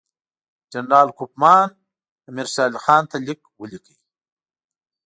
جنرال کوفمان امیر شېر علي خان ته لیک ولیکه.